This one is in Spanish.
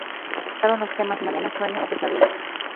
Adaptaron los temas "Mañana", "Sueño o pesadilla".